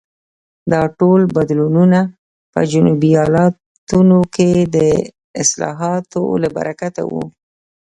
دا ټول بدلونونه په جنوبي ایالتونو کې د اصلاحاتو له برکته وو.